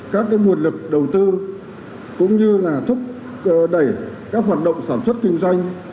các nguồn lực đầu tư cũng như là thúc đẩy các hoạt động sản xuất kinh doanh